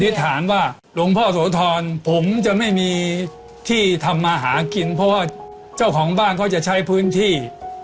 ฐานว่าหลวงพ่อโสธรผมจะไม่มีที่ทำมาหากินเพราะว่าเจ้าของบ้านเขาจะใช้พื้นที่